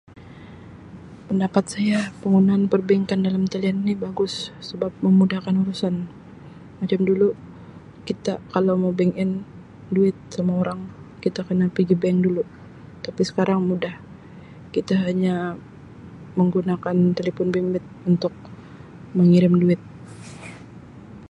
Pendapat saya, penggunaan perbankan dalam talian ni bagus sebab memudahkan urusan. Macam dulu kita kalau mau 'bank in' duit sama orang kita kena pigi bank dulu tapi sekarang mudah kita hanya menggunakan telepon bimbit untuk mengirim duit.